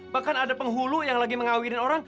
bahkan ada penghulu yang lagi mengawin orang